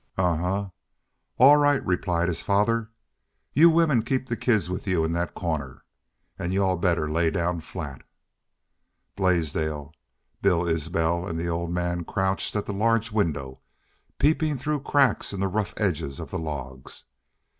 "Ahuh! All right," replied his father. "You women keep the kids with you in that corner. An' you all better lay down flat." Blaisdell, Bill Isbel, and the old man crouched at the large window, peeping through cracks in the rough edges of the logs.